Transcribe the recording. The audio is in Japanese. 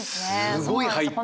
すごい入ってきた。